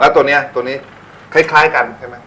แล้วตัวนี้ตัวนี้คล้ายกันใช่ไหม